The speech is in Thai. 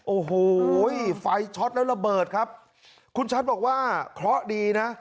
โอ้โหไฟช็อตแล้วระเบิดครับคุณชัดบอกว่าเคราะห์ดีนะ